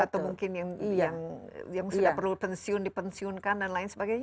atau mungkin yang sudah perlu pensiun dipensiunkan dan lain sebagainya